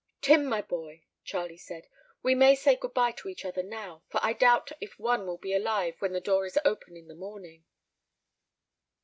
"Tim, my boy," Charlie said, "we may say good bye to each other now, for I doubt if one will be alive when the door is opened in the morning."